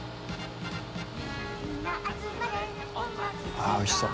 あっおいしそう。